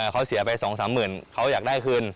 เขาเสียไป๒๓หมื่นเขาอยากได้คืน